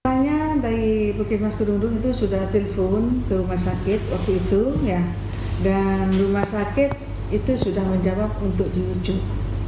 tanya dari pukimas kedudung itu sudah telpon ke rumah sakit waktu itu dan rumah sakit itu sudah menjawab untuk dirujuk